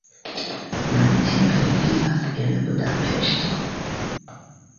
Nuntempe li vivas en Budapeŝto.